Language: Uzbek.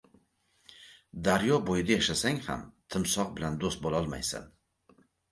• Daryo bo‘yida yashasang ham timsoh bilan do‘st bo‘lolmaysan.